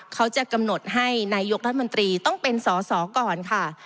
เขาจะกำหนดให้นายกรัฐมนตรีต้องเป็นสอสอก่อนค่ะ